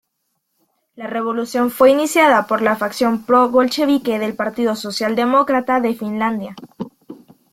La revolución fue iniciada por la facción pro-bolchevique del Partido Socialdemócrata de Finlandia.